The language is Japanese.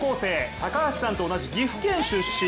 高橋さんと同じ岐阜県出身。